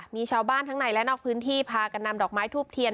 มีชาวบ้านทั้งในและนอกพื้นที่พากันนำดอกไม้ทูบเทียน